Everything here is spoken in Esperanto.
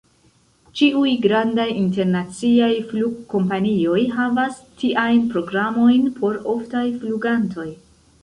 Ĉiuj grandaj internaciaj flugkompanioj havas tiajn programojn por oftaj flugantoj.